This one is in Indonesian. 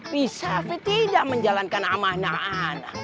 bisa tapi tidak menjalankan amah amah anak